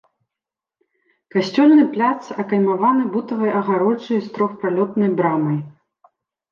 Касцёльны пляц акаймаваны бутавай агароджай з трохпралётнай брамай.